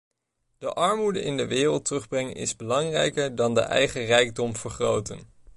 De armoede in de wereld terugbrengen is belangrijker dan de eigen rijkdom vergroten.